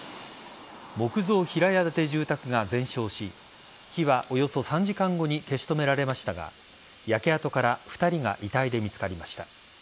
木造平屋建て住宅が全焼し火は、およそ３時間後に消し止められましたが焼け跡から２人が遺体で見つかりました。